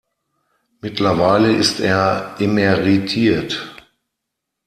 Mittlerweile ist er emeritiert.